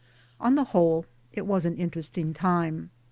On the whole it was an interesting time.